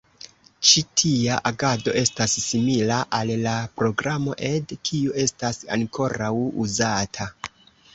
Ĉi tia agado estas simila al la programo ed, kiu estas ankoraŭ uzata.